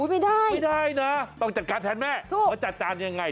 ไม่ได้นะต้องจัดการแทนแม่ว่าจะจานยังไง